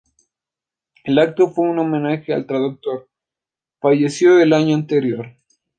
El acto fue un homenaje al traductor, fallecido el año anterior.